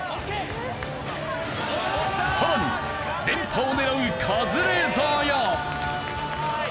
さらに連覇を狙うカズレーザーや。